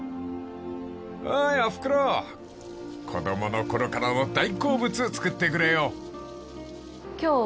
［おーいおふくろ子供の頃からの大好物作ってくれよ］